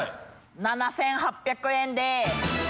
７８００円で！